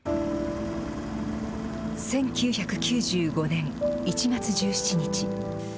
１９９５年１月１７日。